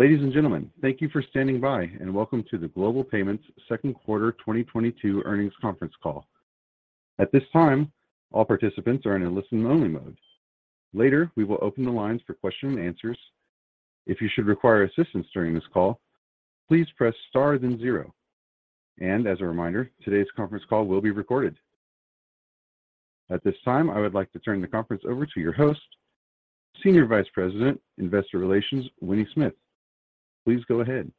Ladies and gentlemen, thank you for standing by, and welcome to the Global Payments Second Quarter 2022 Earnings Conference Call. At this time, all participants are in a listen-only mode. Later, we will open the lines for questions and answers. If you should require assistance during this call, please press star then zero. As a reminder, today's conference call will be recorded. At this time, I would like to turn the conference over to your host, Senior Vice President, Investor Relations, Winnie Smith. Please go ahead.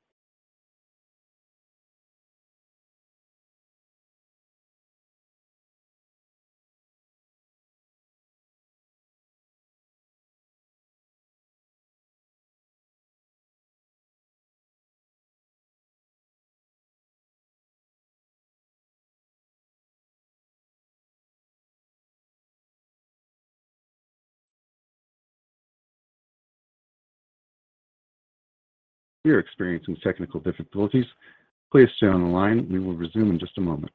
We are experiencing technical difficulties. Please stay on the line. We will resume in just a moment.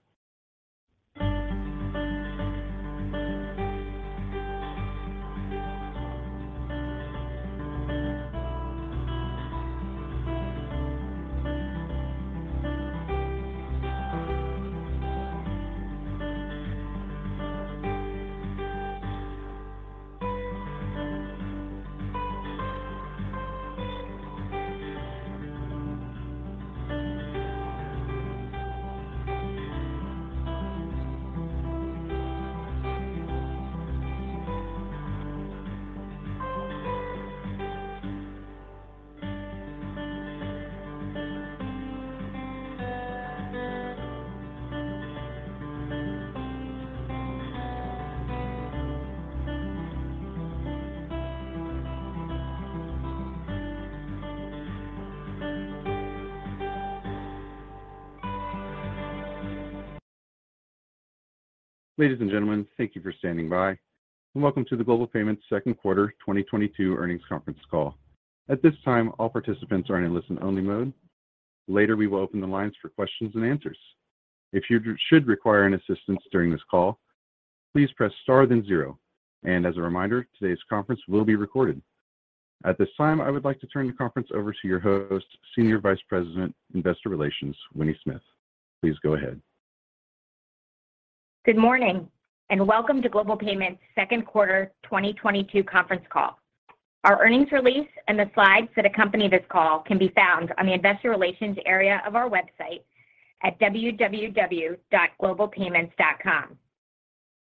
Ladies and gentlemen, thank you for standing by, and welcome to the Global Payments second quarter 2022 earnings conference call. At this time, all participants are in listen-only mode. Later we will open the lines for questions and answers. If you should require any assistance during this call, please press star then zero. As a reminder, today's conference will be recorded. At this time, I would like to turn the conference over to your host, Senior Vice President, Investor Relations, Winnie Smith. Please go ahead. Good morning and welcome to Global Payments Second Quarter 2022 Conference Call. Our earnings release and the slides that accompany this call can be found on the investor relations area of our website at www.globalpayments.com.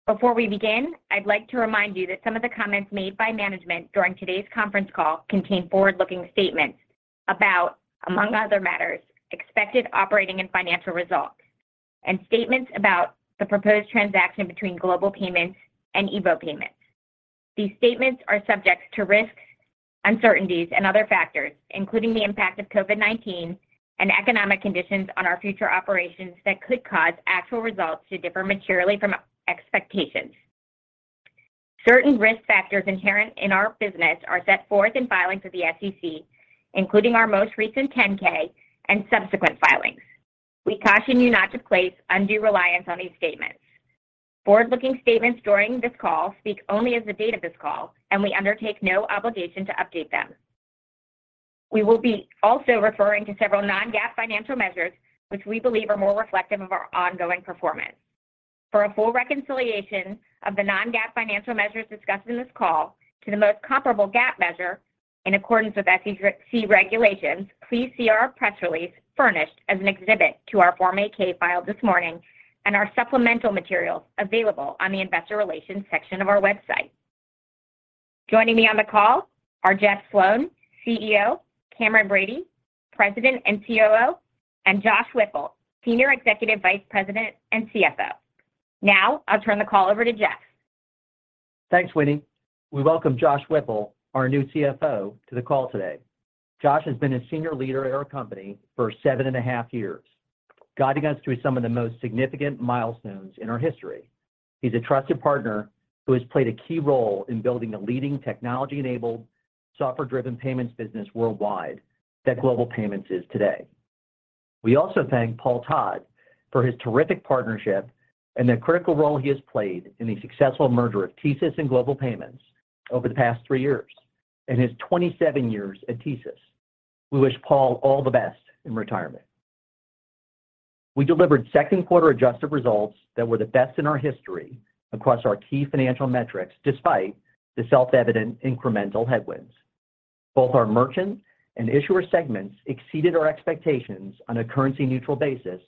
Before we begin, I'd like to remind you that some of the comments made by management during today's conference call contain forward-looking statements about, among other matters, expected operating and financial results, and statements about the proposed transaction between Global Payments and EVO Payments. These statements are subject to risks, uncertainties, and other factors, including the impact of COVID-19 and economic conditions on our future operations that could cause actual results to differ materially from expectations. Certain risk factors inherent in our business are set forth in filings with the SEC, including our most recent 10-K and subsequent filings. We caution you not to place undue reliance on these statements. Forward-looking statements during this call speak only as of the date of this call, and we undertake no obligation to update them. We will be also referring to several non-GAAP financial measures which we believe are more reflective of our ongoing performance. For a full reconciliation of the non-GAAP financial measures discussed in this call to the most comparable GAAP measure in accordance with SEC regulations, please see our press release furnished as an exhibit to our Form 8-K filed this morning and our supplemental materials available on the investor relations section of our website. Joining me on the call are Jeff Sloan, CEO, Cameron Bready, President and COO, and Josh Whipple, Senior Executive Vice President and CFO. Now I'll turn the call over to Jeff. Thanks, Winnie. We welcome Josh Whipple, our new CFO, to the call today. Josh has been a senior leader at our company for seven and a half years, guiding us through some of the most significant milestones in our history. He's a trusted partner who has played a key role in building a leading technology-enabled, software-driven payments business worldwide that Global Payments is today. We also thank Paul Todd for his terrific partnership and the critical role he has played in the successful merger of TSYS and Global Payments over the past three years and his 27 years at TSYS. We wish Paul all the best in retirement. We delivered second quarter adjusted results that were the best in our history across our key financial metrics despite the self-evident incremental headwinds. Both our merchant and issuer segments exceeded our expectations on a currency neutral basis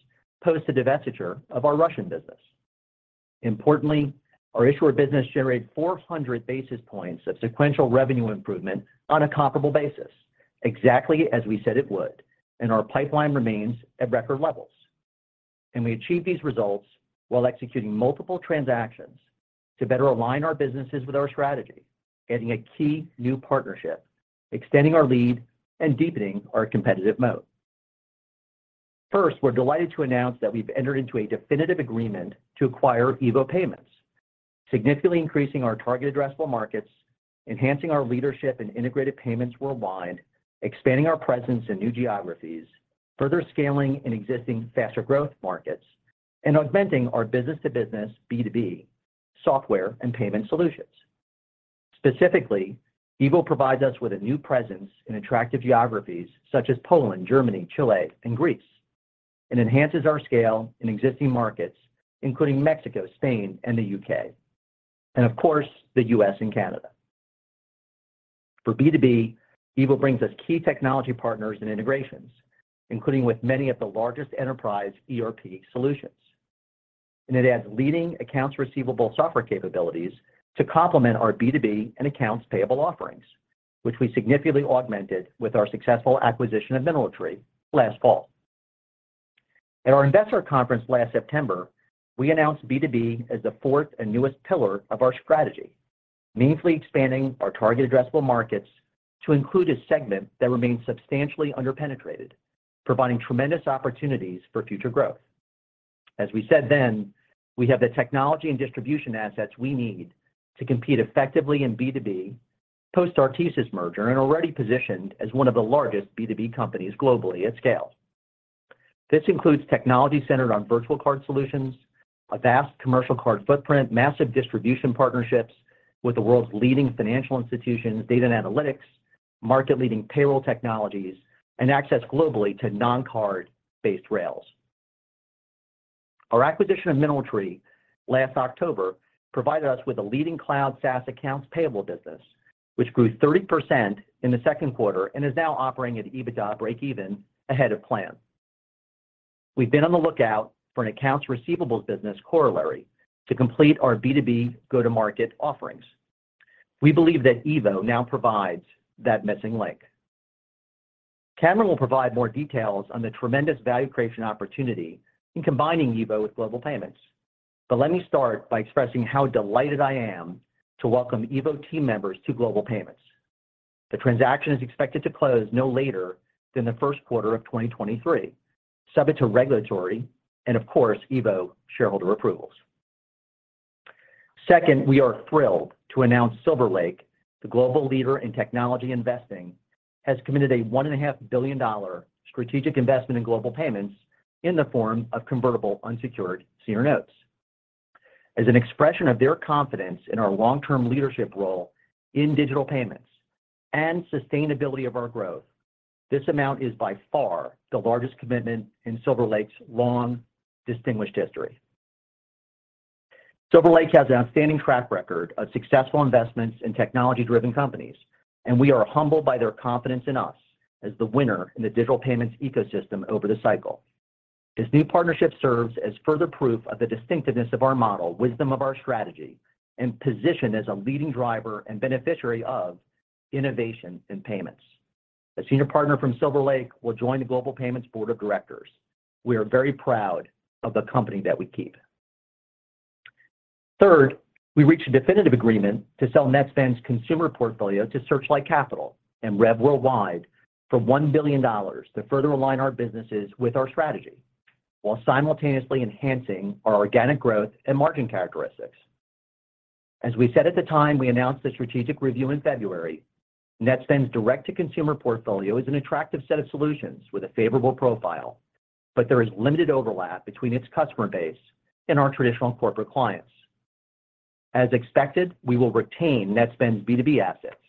post the divestiture of our Russian business. Importantly, our issuer business generated 400 basis points of sequential revenue improvement on a comparable basis, exactly as we said it would, and our pipeline remains at record levels. We achieved these results while executing multiple transactions to better align our businesses with our strategy, adding a key new partnership, extending our lead, and deepening our competitive moat. First, we're delighted to announce that we've entered into a definitive agreement to acquire EVO Payments, significantly increasing our target addressable markets, enhancing our leadership in integrated payments worldwide, expanding our presence in new geographies, further scaling in existing faster growth markets, and augmenting our business to business, B2B software and payment solutions. Specifically, EVO provides us with a new presence in attractive geographies such as Poland, Germany, Chile, and Greece, and enhances our scale in existing markets, including Mexico, Spain, and the U.K., and of course, the U.S. and Canada. For B2B, EVO brings us key technology partners and integrations, including with many of the largest enterprise ERP solutions. It adds leading accounts receivable software capabilities to complement our B2B and accounts payable offerings, which we significantly augmented with our successful acquisition of MineralTree last fall. At our investor conference last September, we announced B2B as the fourth and newest pillar of our strategy, meaningfully expanding our target addressable markets to include a segment that remains substantially under-penetrated, providing tremendous opportunities for future growth. As we said then, we have the technology and distribution assets we need to compete effectively in B2B post our TSYS merger and already positioned as one of the largest B2B companies globally at scale. This includes technology centered on virtual card solutions, a vast commercial card footprint, massive distribution partnerships with the world's leading financial institutions, data and analytics, market-leading payroll technologies, and access globally to non-card-based rails. Our acquisition of MineralTree last October provided us with a leading cloud SaaS accounts payable business, which grew 30% in the second quarter and is now operating at EBITDA breakeven ahead of plan. We've been on the lookout for an accounts receivables business corollary to complete our B2B go-to-market offerings. We believe that EVO now provides that missing link. Cameron will provide more details on the tremendous value creation opportunity in combining EVO with Global Payments. Let me start by expressing how delighted I am to welcome EVO team members to Global Payments. The transaction is expected to close no later than the first quarter of 2023, subject to regulatory and of course, EVO shareholder approvals. Second, we are thrilled to announce Silver Lake, the global leader in technology investing, has committed a $1.5 billion strategic investment in Global Payments in the form of convertible unsecured senior notes. As an expression of their confidence in our long-term leadership role in digital payments and sustainability of our growth, this amount is by far the largest commitment in Silver Lake's long distinguished history. Silver Lake has an outstanding track record of successful investments in technology-driven companies, and we are humbled by their confidence in us as the winner in the digital payments ecosystem over the cycle. This new partnership serves as further proof of the distinctiveness of our model, wisdom of our strategy, and position as a leading driver and beneficiary of innovation in payments. A senior partner from Silver Lake will join the Global Payments board of directors. We are very proud of the company that we keep. Third, we reached a definitive agreement to sell Netspend's consumer portfolio to Searchlight Capital and Rêv Worldwide for $1 billion to further align our businesses with our strategy while simultaneously enhancing our organic growth and margin characteristics. As we said at the time we announced the strategic review in February, Netspend's direct-to-consumer portfolio is an attractive set of solutions with a favorable profile, but there is limited overlap between its customer base and our traditional corporate clients. As expected, we will retain NetSspend's B2B assets,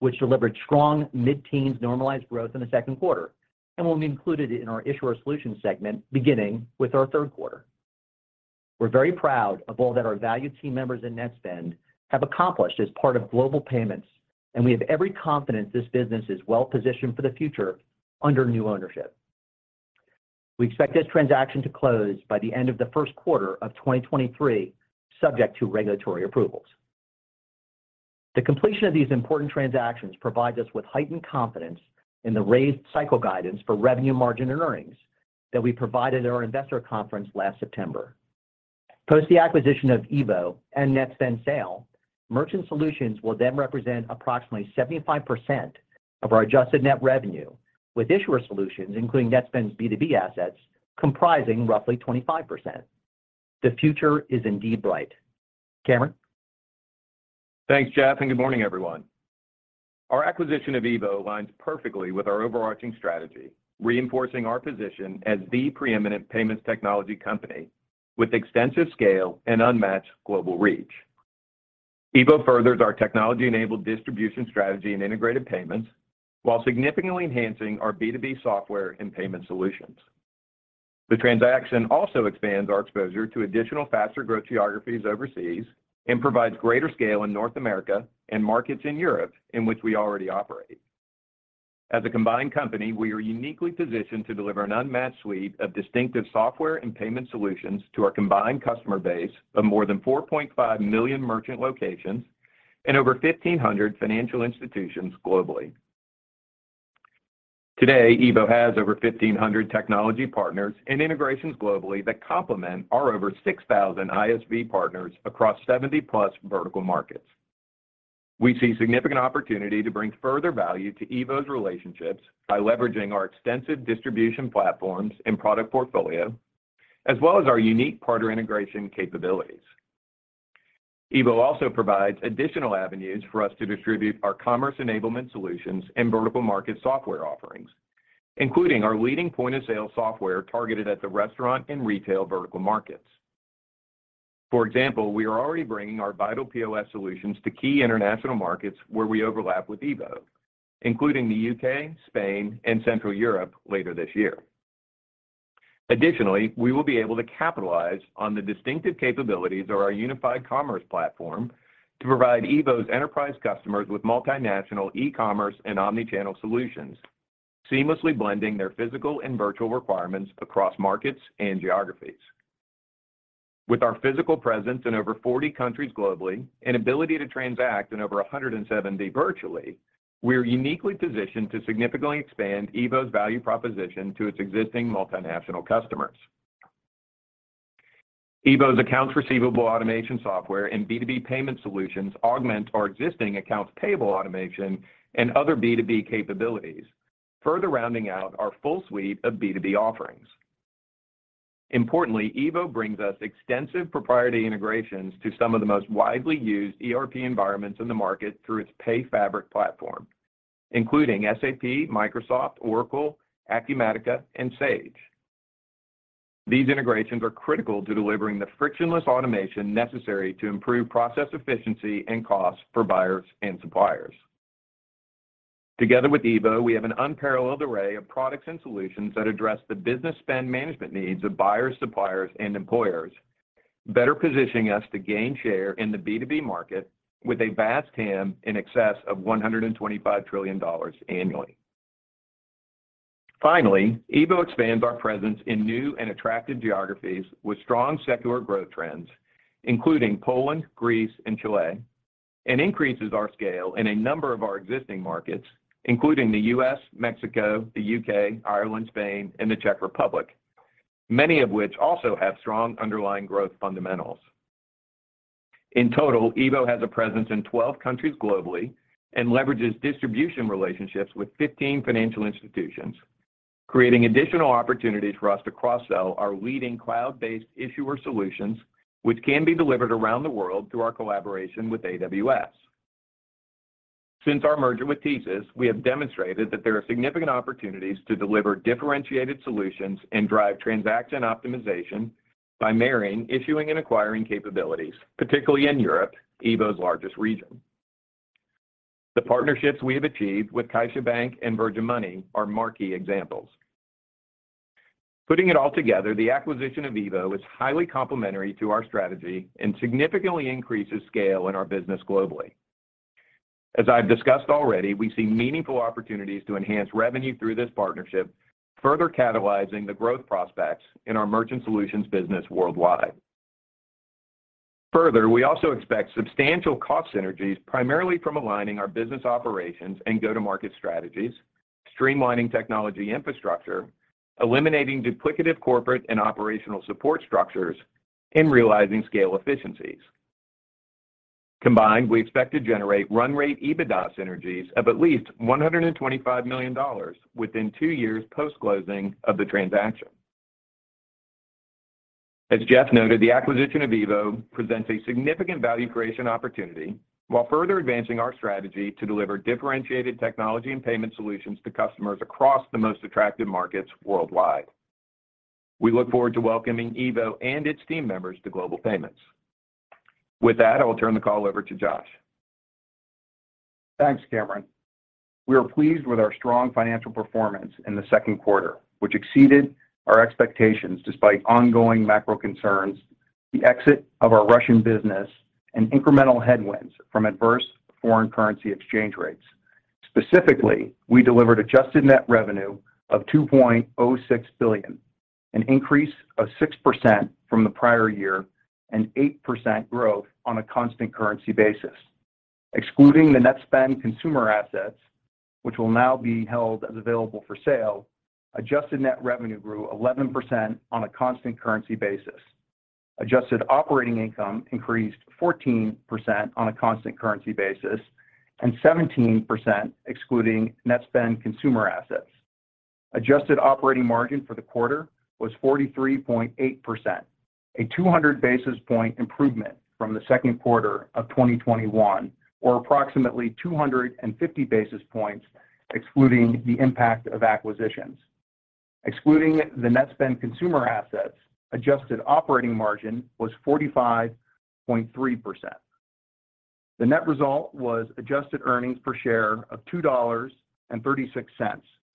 which delivered strong mid-teens normalized growth in the second quarter and will be included in our issuer solutions segment beginning with our third quarter. We're very proud of all that our valued team members in NetSspend have accomplished as part of Global Payments, and we have every confidence this business is well-positioned for the future under new ownership. We expect this transaction to close by the end of the first quarter of 2023, subject to regulatory approvals. The completion of these important transactions provides us with heightened confidence in the raised cycle guidance for revenue margin and earnings that we provided at our investor conference last September. Post the acquisition of EVO and Netspend sale, Merchant Solutions will then represent approximately 75% of our adjusted net revenue, with Issuer Solutions, including Netspend's B2B assets, comprising roughly 25%. The future is indeed bright. Cameron? Thanks, Jeff, and good morning, everyone. Our acquisition of EVO aligns perfectly with our overarching strategy, reinforcing our position as the preeminent payments technology company with extensive scale and unmatched global reach. EVO furthers our technology-enabled distribution strategy in integrated payments while significantly enhancing our B2B software and payment solutions. The transaction also expands our exposure to additional faster growth geographies overseas and provides greater scale in North America and markets in Europe in which we already operate. As a combined company, we are uniquely positioned to deliver an unmatched suite of distinctive software and payment solutions to our combined customer base of more than 4.5 million merchant locations and over 1,500 financial institutions globally. Today, EVO has over 1,500 technology partners and integrations globally that complement our over 6,000 ISV partners across 70+ vertical markets. We see significant opportunity to bring further value to EVO's relationships by leveraging our extensive distribution platforms and product portfolio, as well as our unique partner integration capabilities. EVO also provides additional avenues for us to distribute our commerce enablement solutions and vertical market software offerings, including our leading point-of-sale software targeted at the restaurant and retail vertical markets. For example, we are already bringing our Vital POS solutions to key international markets where we overlap with EVO, including the U.K., Spain, and Central Europe later this year. Additionally, we will be able to capitalize on the distinctive capabilities of our unified commerce platform to provide EVO's enterprise customers with multinational e-commerce and omni-channel solutions, seamlessly blending their physical and virtual requirements across markets and geographies. With our physical presence in over 40 countries globally and ability to transact in over 170 virtually, we are uniquely positioned to significantly expand EVO's value proposition to its existing multinational customers. EVO's accounts receivable automation software and B2B payment solutions augment our existing accounts payable automation and other B2B capabilities, further rounding out our full suite of B2B offerings. Importantly, EVO brings us extensive proprietary integrations to some of the most widely used ERP environments in the market through its PayFabric platform, including SAP, Microsoft, Oracle, Acumatica, and Sage. These integrations are critical to delivering the frictionless automation necessary to improve process efficiency and costs for buyers and suppliers. Together with EVO, we have an unparalleled array of products and solutions that address the business spend management needs of buyers, suppliers, and employers, better positioning us to gain share in the B2B market with a vast TAM in excess of $125 trillion annually. Finally, EVO expands our presence in new and attractive geographies with strong secular growth trends, including Poland, Greece, and Chile, and increases our scale in a number of our existing markets, including the U.S., Mexico, the U.K., Ireland, Spain, and the Czech Republic, many of which also have strong underlying growth fundamentals. In total, EVO has a presence in 12 countries globally and leverages distribution relationships with 15 financial institutions, creating additional opportunities for us to cross-sell our leading cloud-based issuer solutions, which can be delivered around the world through our collaboration with AWS. Since our merger with TSYS, we have demonstrated that there are significant opportunities to deliver differentiated solutions and drive transaction optimization by marrying, issuing, and acquiring capabilities, particularly in Europe, EVO's largest region. The partnerships we have achieved with CaixaBank and Virgin Money are marquee examples. Putting it all together, the acquisition of EVO is highly complementary to our strategy and significantly increases scale in our business globally. As I've discussed already, we see meaningful opportunities to enhance revenue through this partnership, further catalyzing the growth prospects in our merchant solutions business worldwide. Further, we also expect substantial cost synergies, primarily from aligning our business operations and go-to-market strategies, streamlining technology infrastructure, eliminating duplicative corporate and operational support structures, and realizing scale efficiencies. Combined, we expect to generate run rate EBITDA synergies of at least $125 million within two years post-closing of the transaction. As Jeff noted, the acquisition of EVO presents a significant value creation opportunity while further advancing our strategy to deliver differentiated technology and payment solutions to customers across the most attractive markets worldwide. We look forward to welcoming EVO and its team members to Global Payments. With that, I will turn the call over to Josh. Thanks, Cameron. We are pleased with our strong financial performance in the second quarter, which exceeded our expectations despite ongoing macro concerns, the exit of our Russian business, and incremental headwinds from adverse foreign currency exchange rates. Specifically, we delivered adjusted net revenue of $2.06 billion, an increase of 6% from the prior year and 8% growth on a constant currency basis. Excluding the Netspend consumer assets, which will now be held as available for sale, adjusted net revenue grew 11% on a constant currency basis. Adjusted operating income increased 14% on a constant currency basis and 17% excluding Netspend consumer assets. Adjusted operating margin for the quarter was 43.8%, a 200 basis point improvement from the second quarter of 2021, or approximately 250 basis points excluding the impact of acquisitions. Excluding the Netspend consumer assets, adjusted operating margin was 45.3%. The net result was adjusted earnings per share of $2.36,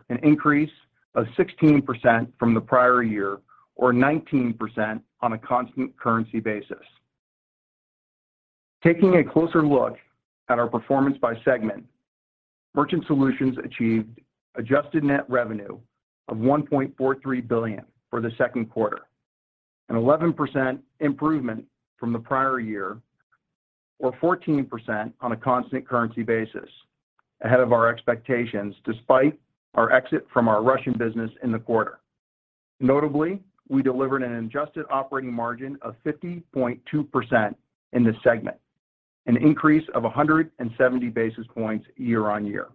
an increase of 16% from the prior year or 19% on a constant currency basis. Taking a closer look at our performance by segment, Merchant Solutions achieved adjusted net revenue of $1.43 billion for the second quarter, an 11% improvement from the prior year or 14% on a constant currency basis, ahead of our expectations despite our exit from our Russian business in the quarter. Notably, we delivered an adjusted operating margin of 50.2% in this segment, an increase of 170 basis points year on year.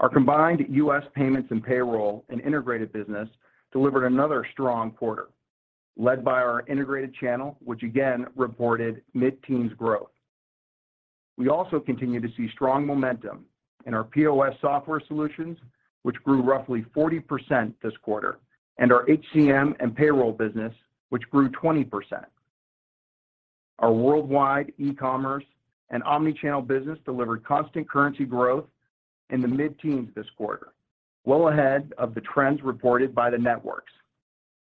Our combined U.S. payments and payroll and integrated business delivered another strong quarter, led by our integrated channel, which again reported mid-teens growth. We also continue to see strong momentum in our POS software solutions, which grew roughly 40% this quarter, and our HCM and payroll business, which grew 20%. Our worldwide e-commerce and omni-channel business delivered constant currency growth in the mid-teens this quarter, well ahead of the trends reported by the networks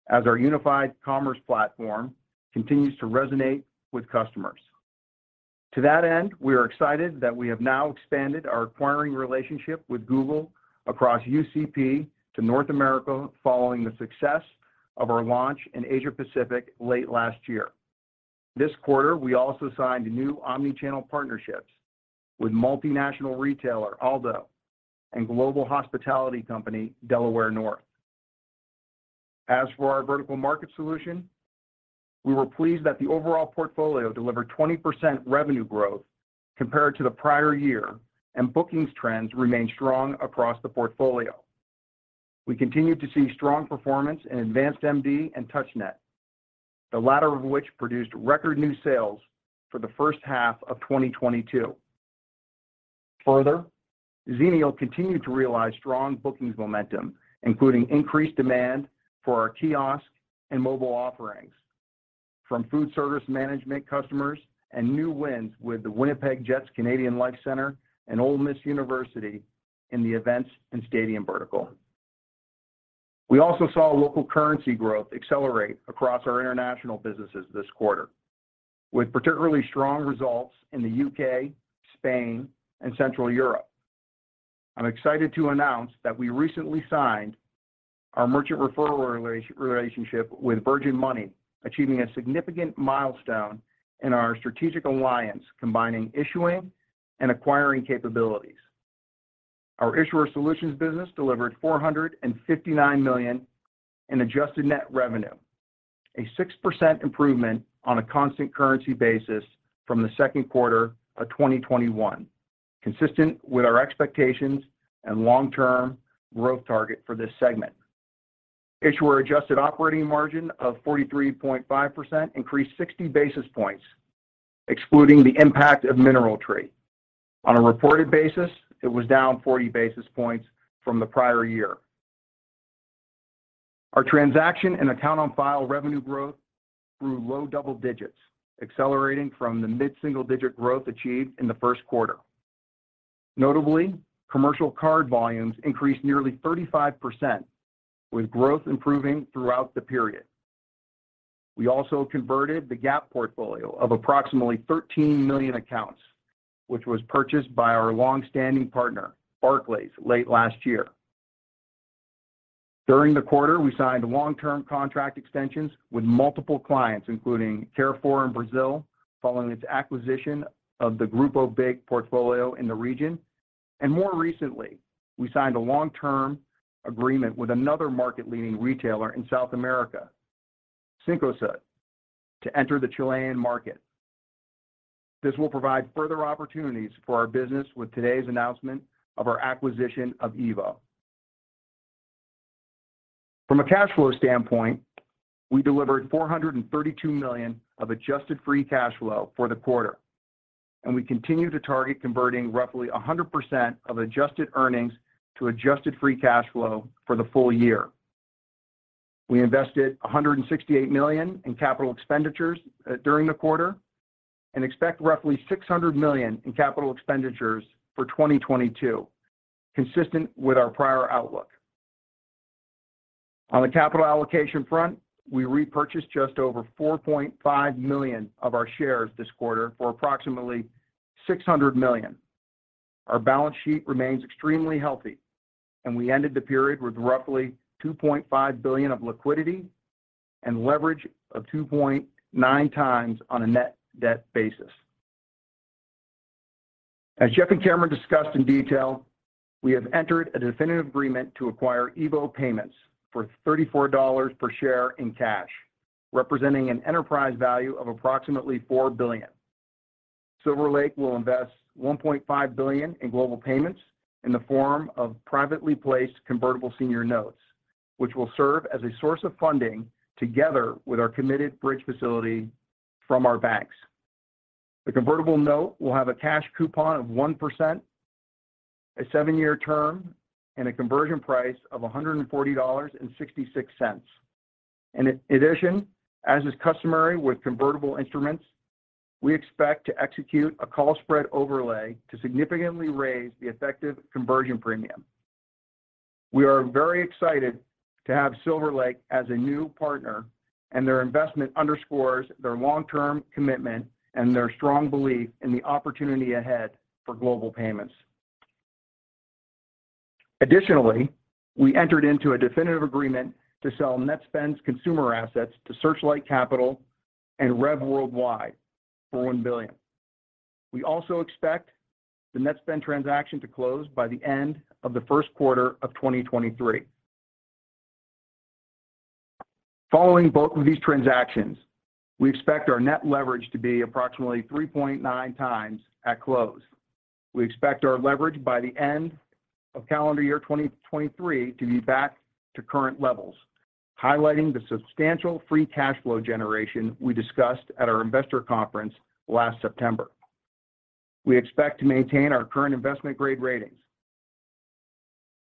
as our unified commerce platform continues to resonate with customers. To that end, we are excited that we have now expanded our acquiring relationship with Google across UCP to North America following the success of our launch in Asia-Pacific late last year. This quarter, we also signed new omni-channel partnerships with multinational retailer, Aldo, and global hospitality company, Delaware North. As for our vertical market solution, we were pleased that the overall portfolio delivered 20% revenue growth compared to the prior year, and bookings trends remained strong across the portfolio. We continued to see strong performance in AdvancedMD and TouchNet, the latter of which produced record new sales for the first half of 2022. Further, Xenial continued to realize strong bookings momentum, including increased demand for our kiosk and mobile offerings from food service management customers and new wins with the Winnipeg Jets, Canada Life Centre and Ole Miss University in the events and stadium vertical. We also saw local currency growth accelerate across our international businesses this quarter, with particularly strong results in the U.K., Spain, and Central Europe. I'm excited to announce that we recently signed our merchant referral relationship with Virgin Money, achieving a significant milestone in our strategic alliance, combining issuing and acquiring capabilities. Our issuer solutions business delivered $459 million in adjusted net revenue, a 6% improvement on a constant currency basis from the second quarter of 2021, consistent with our expectations and long-term growth target for this segment. Issuer adjusted operating margin of 43.5% increased 60 basis points, excluding the impact of MineralTree. On a reported basis, it was down 40 basis points from the prior year. Our transaction and account on file revenue growth grew low double digits, accelerating from the mid-single-digit growth achieved in the first quarter. Notably, commercial card volumes increased nearly 35% with growth improving throughout the period. We also converted the Gap portfolio of approximately 13 million accounts, which was purchased by our long-standing partner, Barclays, late last year. During the quarter, we signed long-term contract extensions with multiple clients, including Carrefour in Brazil, following its acquisition of the Grupo BIG portfolio in the region. More recently, we signed a long-term agreement with another market-leading retailer in South America, Cencosud, to enter the Chilean market. This will provide further opportunities for our business with today's announcement of our acquisition of EVO. From a cash flow standpoint, we delivered $432 million of adjusted free cash flow for the quarter, and we continue to target converting roughly 100% of adjusted earnings to adjusted free cash flow for the full year. We invested $168 million in capital expenditures during the quarter and expect roughly $600 million in capital expenditures for 2022, consistent with our prior outlook. On the capital allocation front, we repurchased just over $4.5 million of our shares this quarter for approximately $600 million. Our balance sheet remains extremely healthy, and we ended the period with roughly $2.5 billion of liquidity and leverage of 2.9x on a net debt basis. As Jeff and Cameron discussed in detail, we have entered a definitive agreement to acquire EVO Payments for $34 per share in cash, representing an enterprise value of approximately $4 billion. Silver Lake will invest $1.5 billion in Global Payments in the form of privately placed convertible senior notes, which will serve as a source of funding together with our committed bridge facility from our banks. The convertible note will have a cash coupon of 1%, a seven year term, and a conversion price of $140.66. In addition, as is customary with convertible instruments, we expect to execute a call spread overlay to significantly raise the effective conversion premium. We are very excited to have Silver Lake as a new partner, and their investment underscores their long-term commitment and their strong belief in the opportunity ahead for Global Payments. Additionally, we entered into a definitive agreement to sell Netspend's consumer assets to Searchlight Capital and Rêv Worldwide for $1 billion. We also expect the Netspend transaction to close by the end of the first quarter of 2023. Following both of these transactions, we expect our net leverage to be approximately 3.9x at close. We expect our leverage by the end of calendar year 2023 to be back to current levels, highlighting the substantial free cash flow generation we discussed at our investor conference last September. We expect to maintain our current investment grade ratings.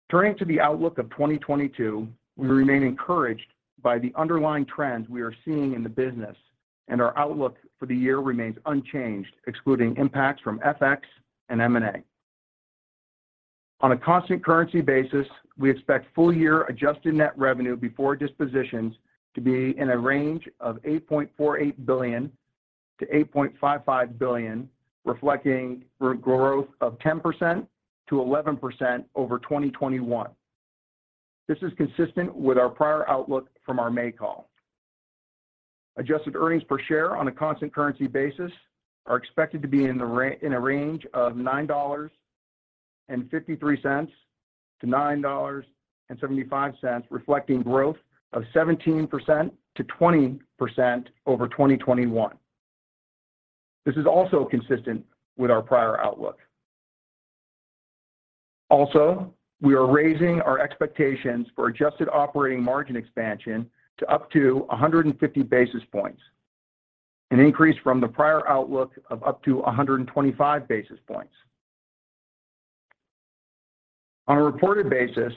Turning to the outlook of 2022, we remain encouraged by the underlying trends we are seeing in the business, and our outlook for the year remains unchanged, excluding impacts from FX and M&A. On a constant currency basis, we expect full year adjusted net revenue before dispositions to be in a range of $8.48 billion-$8.55 billion, reflecting growth of 10%-11% over 2021. This is consistent with our prior outlook from our May call. Adjusted earnings per share on a constant currency basis are expected to be in a range of $9.53-$9.75, reflecting growth of 17%-20% over 2021. This is also consistent with our prior outlook. Also, we are raising our expectations for adjusted operating margin expansion to up to 150 basis points, an increase from the prior outlook of up to 125 basis points. On a reported basis,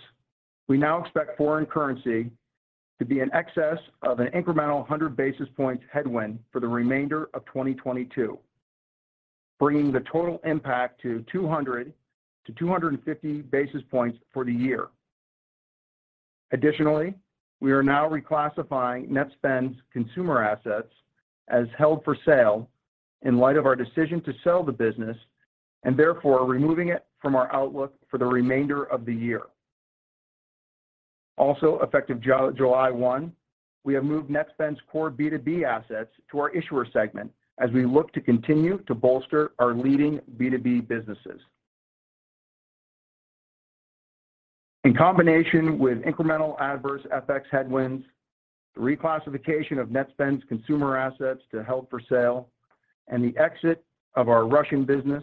we now expect foreign currency to be in excess of an incremental 100 basis points headwind for the remainder of 2022, bringing the total impact to 200-250 basis points for the year. Additionally, we are now reclassifying Netspend's consumer assets as held for sale in light of our decision to sell the business and therefore are removing it from our outlook for the remainder of the year. Also effective July 1, we have moved Netspend's core B2B assets to our issuer segment as we look to continue to bolster our leading B2B businesses. In combination with incremental adverse FX headwinds, the reclassification of Netspend's consumer assets to held for sale, and the exit of our Russian business,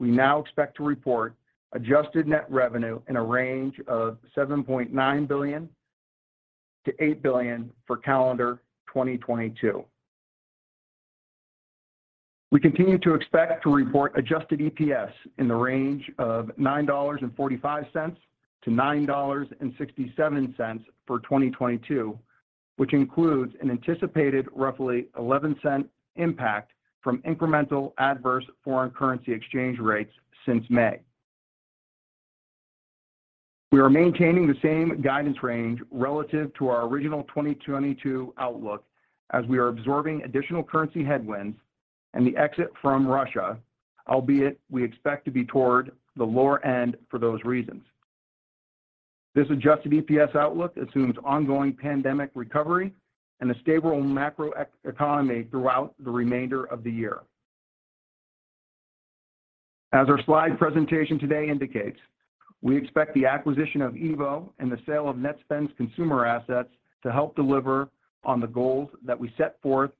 we now expect to report adjusted net revenue in a range of $7.9 billion-$8 billion for calendar 2022. We continue to expect to report adjusted EPS in the range of $9.45-$9.67 for 2022, which includes an anticipated roughly $0.11 impact from incremental adverse foreign currency exchange rates since May. We are maintaining the same guidance range relative to our original 2022 outlook as we are absorbing additional currency headwinds and the exit from Russia, albeit we expect to be toward the lower end for those reasons. This adjusted EPS outlook assumes ongoing pandemic recovery and a stable macro economy throughout the remainder of the year. As our slide presentation today indicates, we expect the acquisition of EVO and the sale of Netspend's consumer assets to help deliver on the goals that we set forth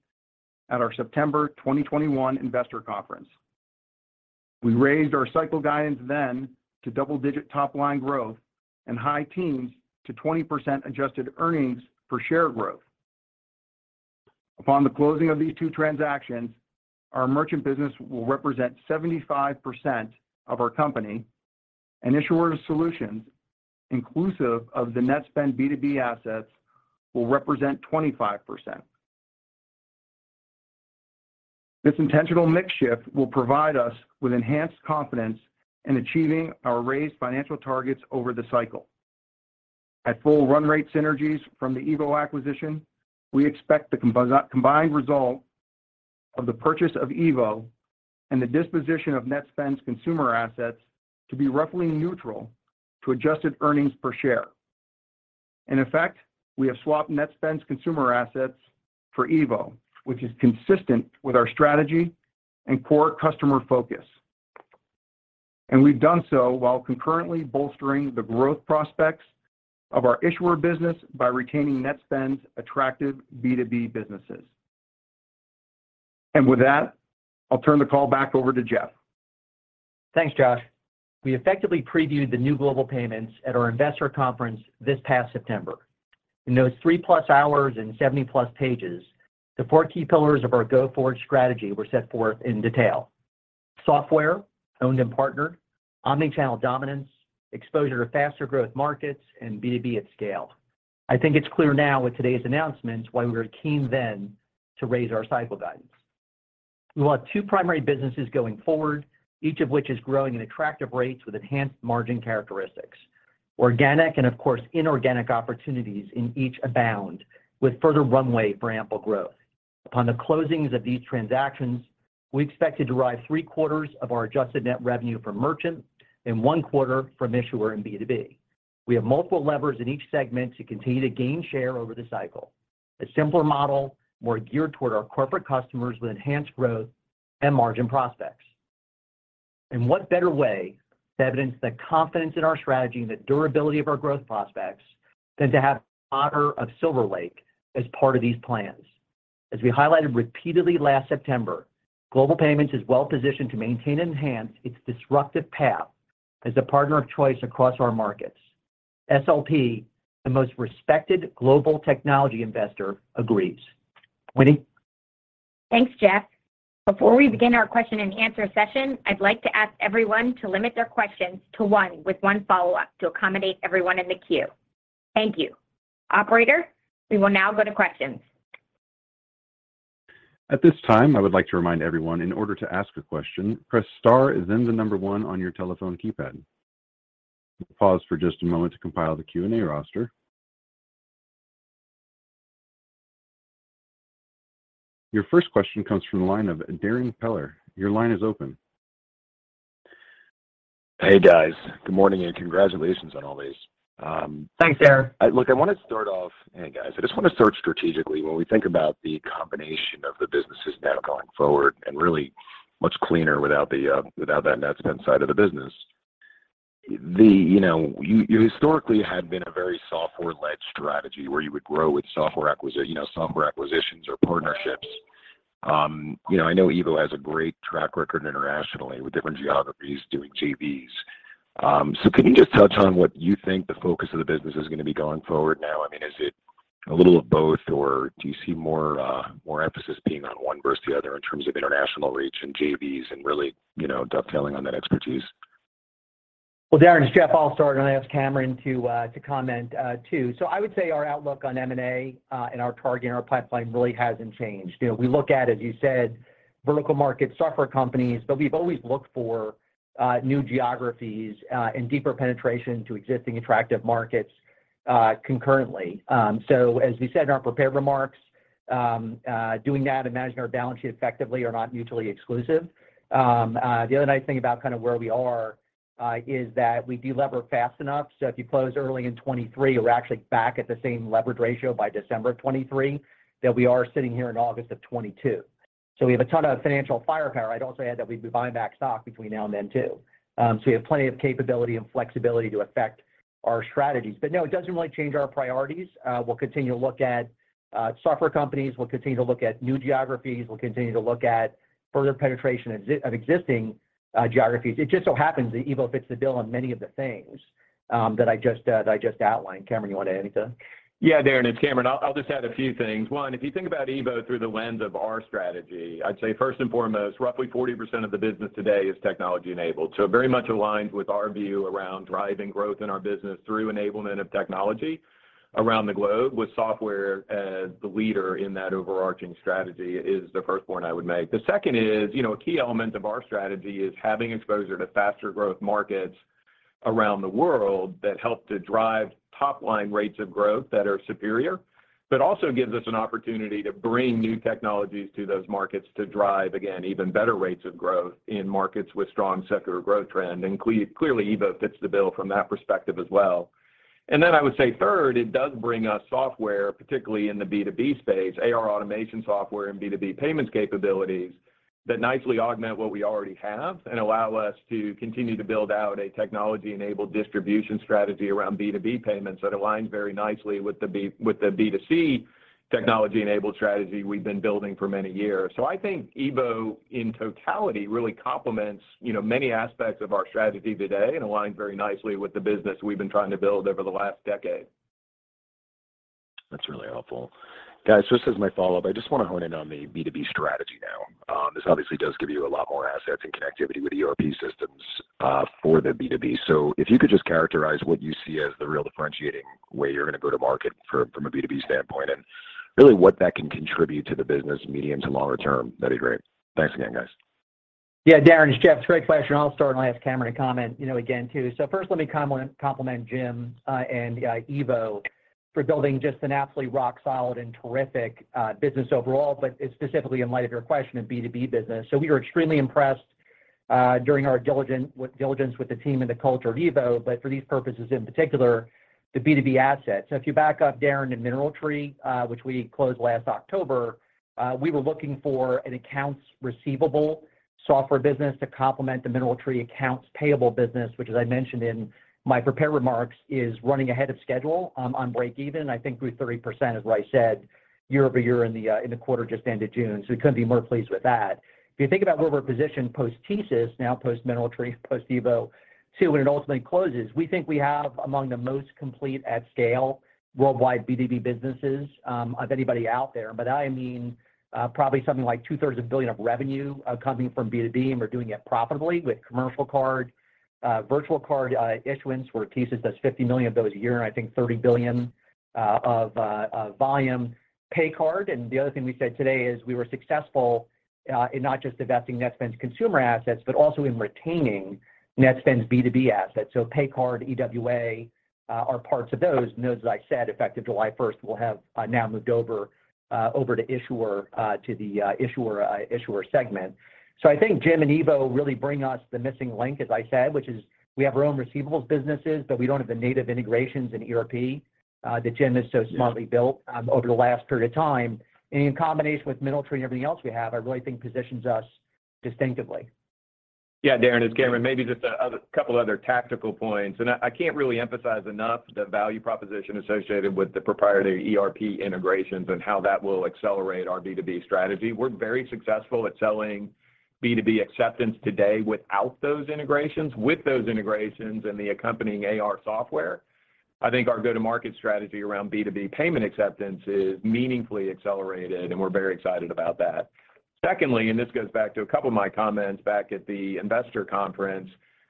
at our September 2021 investor conference. We raised our cycle guidance then to double-digit top-line growth and high teens to 20% adjusted earnings per share growth. Upon the closing of these two transactions, our merchant business will represent 75% of our company, and Issuer Solutions, inclusive of the Netspend B2B assets, will represent 25%. This intentional mix shift will provide us with enhanced confidence in achieving our raised financial targets over the cycle. At full run rate synergies from the EVO acquisition, we expect the combined result of the purchase of EVO and the disposition of Netspend's consumer assets to be roughly neutral to adjusted earnings per share. In effect, we have swapped Netspend's consumer assets for EVO, which is consistent with our strategy and core customer focus. We've done so while concurrently bolstering the growth prospects of our issuer business by retaining Netspend's attractive B2B businesses. With that, I'll turn the call back over to Jeff. Thanks, Josh. We effectively previewed the new Global Payments at our investor conference this past September. In those three plus hours and 70+ pages, the four key pillars of our go-forward strategy were set forth in detail. Software, owned and partnered, omni-channel dominance, exposure to faster growth markets, and B2B at scale. I think it's clear now with today's announcements why we were keen then to raise our cycle guidance. We will have two primary businesses going forward, each of which is growing at attractive rates with enhanced margin characteristics. Organic and, of course, inorganic opportunities in each abound, with further runway for ample growth. Upon the closings of these transactions, we expect to derive three-quarters of our adjusted net revenue from merchant and one quarter from issuer and B2B. We have multiple levers in each segment to continue to gain share over the cycle. A simpler model, more geared toward our corporate customers with enhanced growth and margin prospects. What better way to evidence the confidence in our strategy and the durability of our growth prospects than to have the honor of Silver Lake as part of these plans? As we highlighted repeatedly last September, Global Payments is well-positioned to maintain and enhance its disruptive path as a partner of choice across our markets. SLP, the most respected global technology investor, agrees. Winnie? Thanks, Jeff. Before we begin our question and answer session, I'd like to ask everyone to limit their questions to one with one follow-up to accommodate everyone in the queue. Thank you. Operator, we will now go to questions. At this time, I would like to remind everyone, in order to ask a question, press star and then the number one on your telephone keypad. We'll pause for just a moment to compile the Q&A roster. Your first question comes from the line of Darrin Peller. Your line is open. Hey, guys. Good morning, and congratulations on all these. Thanks, Darrin. Hey, guys. I just want to start strategically. When we think about the combination of the businesses now going forward and really much cleaner without that Netspend side of the business, you know, you historically had been a very software-led strategy where you would grow with software acquisition, you know, software acquisitions or partnerships. You know, I know EVO has a great track record internationally with different geographies doing JVs. So can you just touch on what you think the focus of the business is going to be going forward now? I mean, is it a little of both, or do you see more emphasis being on one versus the other in terms of international reach and JVs and really, you know, dovetailing on that expertise? Well, Darrin, it's Jeff. I'll start, and I'll ask Cameron to comment, too. I would say our outlook on M&A and our target and our pipeline really hasn't changed. You know, we look at, as you said, vertical market software companies, but we've always looked for new geographies and deeper penetration to existing attractive markets concurrently. As we said in our prepared remarks, doing that and managing our balance sheet effectively are not mutually exclusive. The other nice thing about kind of where we are is that we de-lever fast enough. If you close early in 2023, we're actually back at the same leverage ratio by December of 2023 that we are sitting here in August of 2022. We have a ton of financial firepower. I'd also add that we'd be buying back stock between now and then too. We have plenty of capability and flexibility to affect our strategies. No, it doesn't really change our priorities. We'll continue to look at software companies. We'll continue to look at new geographies. We'll continue to look at further penetration of existing geographies. It just so happens that EVO fits the bill on many of the things that I just outlined. Cameron, you want to add anything? Yeah, Darrin, it's Cameron. I'll just add a few things. One, if you think about EVO through the lens of our strategy, I'd say first and foremost, roughly 40% of the business today is technology-enabled. So very much aligned with our view around driving growth in our business through enablement of technology around the globe with software as the leader in that overarching strategy is the first point I would make. The second is, you know, a key element of our strategy is having exposure to faster growth markets around the world that help to drive top-line rates of growth that are superior but also gives us an opportunity to bring new technologies to those markets to drive, again, even better rates of growth in markets with strong secular growth trend. Clearly, EVO fits the bill from that perspective as well. I would say third, it does bring us software, particularly in the B2B space, AR automation software and B2B payments capabilities that nicely augment what we already have and allow us to continue to build out a technology-enabled distribution strategy around B2B payments that aligns very nicely with the B2C technology-enabled strategy we've been building for many years. I think EVO in totality really complements, you know, many aspects of our strategy today and aligns very nicely with the business we've been trying to build over the last decade. That's really helpful. Guys, just as my follow-up, I just want to hone in on the B2B strategy now. This obviously does give you a lot more assets and connectivity with ERP systems for the B2B. If you could just characterize what you see as the real differentiating way you're going to go to market from a B2B standpoint and really what that can contribute to the business medium to longer term, that'd be great. Thanks again, guys. Yeah. Darrin, it's Jeff. Great question. I'll start and I'll ask Cameron to comment, you know, again too. First let me compliment Jim and EVO for building just an absolutely rock solid and terrific business overall, but specifically in light of your question in B2B business. We were extremely impressed during our diligence with the team and the culture of EVO, but for these purposes in particular, the B2B assets. If you back up, Darrin, to MineralTree, which we closed last October, we were looking for an accounts receivable software business to complement the MineralTree accounts payable business, which as I mentioned in my prepared remarks, is running ahead of schedule on breakeven. I think we're 30%, as Roy said, year-over-year in the quarter just ended June. We couldn't be more pleased with that. If you think about where we're positioned post-TSYS, now post-MineralTree, post-EVO too, when it ultimately closes, we think we have among the most complete at scale worldwide B2B businesses of anybody out there. I mean, probably something like 2/3 of $1 billion of revenue coming from B2B, and we're doing it profitably with commercial card, virtual card issuance, where TSYS does $50 million of those a year, and I think $30 billion of volume, Paycard. The other thing we said today is we were successful in not just divesting Netspend's consumer assets, but also in retaining Netspend's B2B assets. Paycard, EWA are parts of those. Those, as I said, effective July first will have now moved over to the issuer segment. I think Jim and EVO really bring us the missing link, as I said, which is we have our own receivables businesses, but we don't have the native integrations in ERP that Jim has so smartly built over the last period of time. In combination with MineralTree and everything else we have, I really think positions us distinctively. Yeah, Darrin, it's Cameron. Maybe just a couple other tactical points. I can't really emphasize enough the value proposition associated with the proprietary ERP integrations and how that will accelerate our B2B strategy. We're very successful at selling B2B acceptance today without those integrations. With those integrations and the accompanying AR software, I think our go-to-market strategy around B2B payment acceptance is meaningfully accelerated, and we're very excited about that. Secondly, this goes back to a couple of my comments back at the investor conference,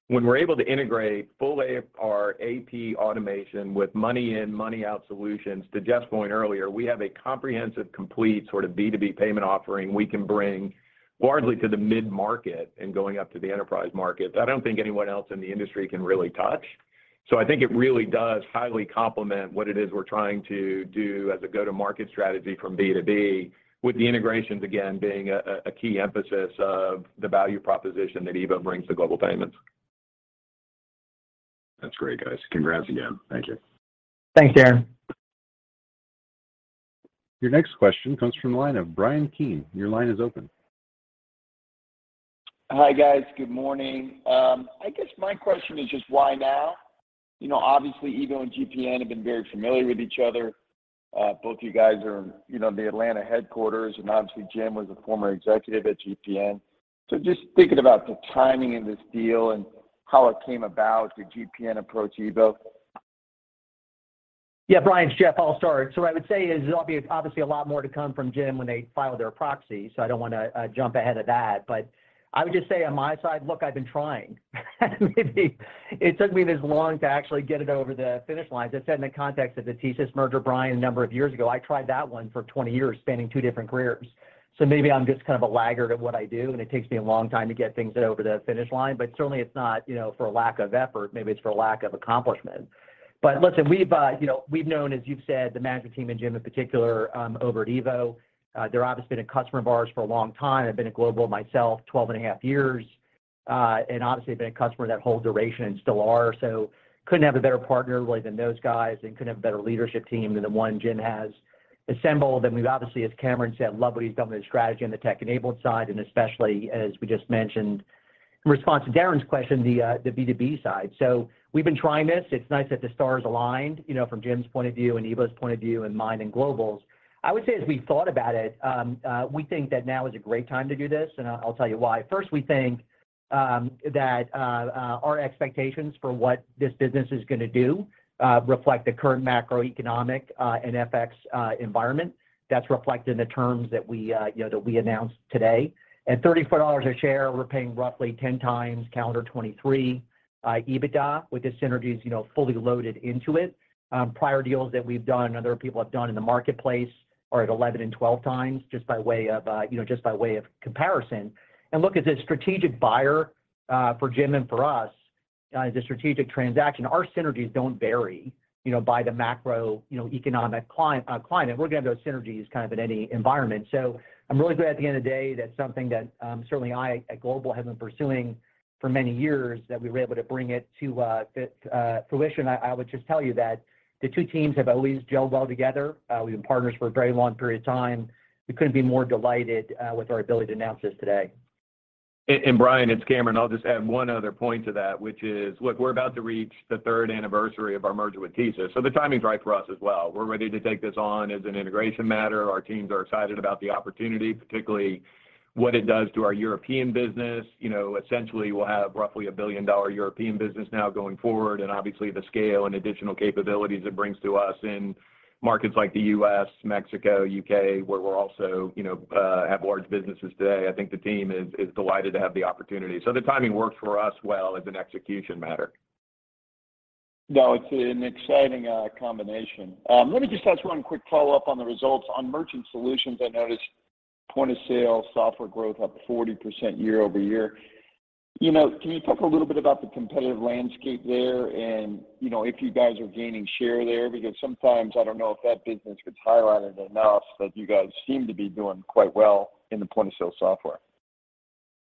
when we're able to integrate full AR, AP automation with money in, money out solutions, to Jeff's point earlier, we have a comprehensive, complete sort of B2B payment offering we can bring largely to the mid-market and going up to the enterprise markets that I don't think anyone else in the industry can really touch. I think it really does highly complement what it is we're trying to do as a go-to-market strategy from B2B, with the integrations again being a key emphasis of the value proposition that EVO brings to Global Payments. That's great, guys. Congrats again. Thank you. Thanks, Darrin. Your next question comes from the line of Bryan Keane. Your line is open. Hi, guys. Good morning. I guess my question is just why now? You know, obviously, EVO and GPN have been very familiar with each other. Both you guys are in, you know, the Atlanta headquarters, and obviously Jim was a former executive at GPN. Just thinking about the timing of this deal and how it came about, did GPN approach EVO? Yeah, Bryan, it's Jeff. I'll start. What I would say is there'll be obviously a lot more to come from Jim when they file their proxy, so I don't wanna jump ahead of that. I would just say on my side, look, I've been trying. Maybe it took me this long to actually get it over the finish line. As I said in the context of the TSYS merger, Bryan, a number of years ago, I tried that one for 20 years, spanning two different careers. Maybe I'm just kind of a laggard at what I do, and it takes me a long time to get things over the finish line, but certainly it's not, you know, for lack of effort. Maybe it's for lack of accomplishment. Listen, you know, we've known, as you've said, the management team and Jim in particular, over at EVO. They're obviously been a customer of ours for a long time. I've been at Global myself 12.5 years, and obviously been a customer that whole duration and still are. Couldn't have a better partner really than those guys and couldn't have a better leadership team than the one Jim has assembled. We've obviously, as Cameron said, love what he's done with his strategy on the tech-enabled side, and especially as we just mentioned in response to Darrin's question, the B2B side. We've been trying this. It's nice that the stars aligned, you know, from Jim's point of view and EVO's point of view and mine and Global's. I would say as we thought about it, we think that now is a great time to do this, and I'll tell you why. First, we think that our expectations for what this business is gonna do reflect the current macroeconomic and FX environment. That's reflected in the terms that we you know announced today. At $34 a share, we're paying roughly 10x calendar 2023 EBITDA with the synergies, you know, fully loaded into it. Prior deals that we've done and other people have done in the marketplace are at 11x and 12x just by way of you know comparison. Look, as a strategic buyer for Jim and for us as a strategic transaction, our synergies don't vary, you know, by the macro economic climate. We're gonna have those synergies kind of in any environment. I'm really glad at the end of the day that something that certainly I at Global have been pursuing for many years, that we were able to bring it to fruition. I would just tell you that the two teams have always gelled well together. We've been partners for a very long period of time. We couldn't be more delighted with our ability to announce this today. Bryan, it's Cameron. I'll just add one other point to that which is, look, we're about to reach the third anniversary of our merger with TSYS, so the timing's right for us as well. We're ready to take this on as an integration matter. Our teams are excited about the opportunity, particularly what it does to our European business. You know, essentially, we'll have roughly a billion-dollar European business now going forward and obviously the scale and additional capabilities it brings to us in markets like the U.S., Mexico, U.K., where we're also, you know, have large businesses today. I think the team is delighted to have the opportunity. The timing worked for us well as an execution matter. No, it's an exciting combination. Let me just ask one quick follow-up on the results. On merchant solutions, I noticed point-of-sale software growth up 40% year-over-year. You know, can you talk a little bit about the competitive landscape there and, you know, if you guys are gaining share there? Because sometimes I don't know if that business gets highlighted enough that you guys seem to be doing quite well in the point-of-sale software.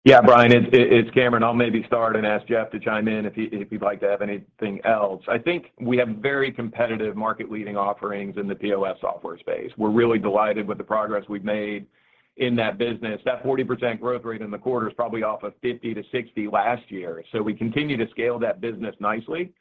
Yeah, Bryan, it's Cameron. I'll maybe start and ask Jeff to chime in if he'd like to add anything else. I think we have very competitive market-leading offerings in the POS software space. We're really delighted with the progress we've made in that business. That 40% growth rate in the quarter is probably off of 50%-60% last year. We continue to scale that business nicely